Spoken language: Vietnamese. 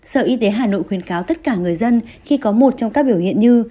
sở y tế hà nội khuyến cáo tất cả người dân khi có một trong các biểu hiện như